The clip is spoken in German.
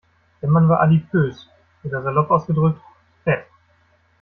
Der Mann war adipös, oder salopp ausgedrückt: Fett.